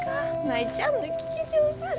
舞ちゃんの聞き上手。